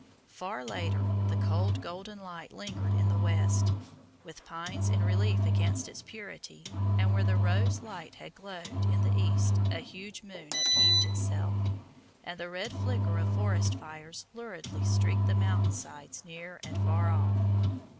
Far later the cold golden light lingered in the west, with pines in relief against its purity, and where the rose light had glowed in the east, a huge moon upheaved itself, and the red flicker of forest fires luridly streaked the mountain sides near and far off.